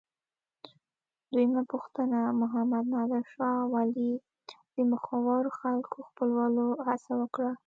دویمه پوښتنه: محمد نادر شاه ولې د مخورو خلکو خپلولو هڅه وکړه؟